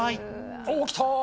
おー、きた！